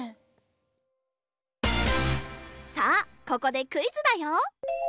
さあここでクイズだよ！